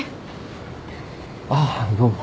ああどうも。